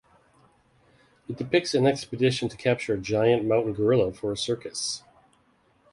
It depicts an expedition to capture a giant mountain gorilla for a circus.